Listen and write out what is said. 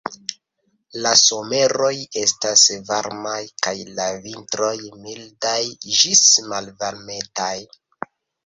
La someroj estas varmaj kaj la vintroj mildaj ĝis malvarmetaj.